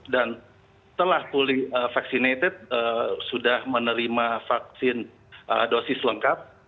dan telah fully vaccinated sudah menerima vaksin dosis lengkap